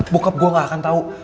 bokap gue gak akan tau